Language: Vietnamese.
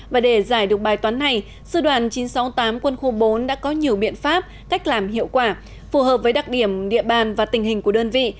và để giải được bài toán này sư đoàn chín trăm sáu mươi tám quân khu bốn đã có nhiều biện pháp cách làm hiệu quả phù hợp với đặc điểm địa bàn và tình hình của đơn vị